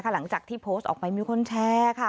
หลังจากที่โพสต์ออกไปมีคนแชร์ค่ะ